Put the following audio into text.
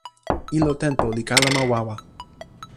ilo tenpo li kalama wawa.